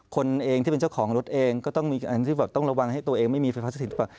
คนเองที่เป็นเจ้าของรถเองก็ต้องมีอันที่แบบต้องระวังให้ตัวเองไม่มีไฟฟ้าสถิตหรือเปล่า